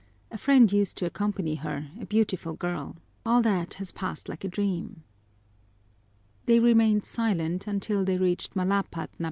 A friend used to accompany her, a beautiful girl. All that has passed like a dream." They remained silent until they reached Malapad na bato.